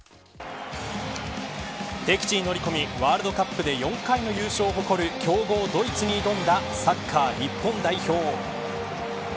敵地に乗り込みワールドカップで４回の優勝を誇る強豪ドイツに挑んだサッカー日本代表。